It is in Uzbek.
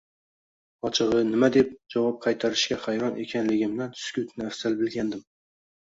Ochig`i, nima deb javob qaytirishga hayron ekanligimdan sukutni afzal bilgandim